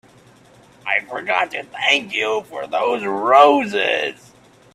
I forgot to thank you for those roses.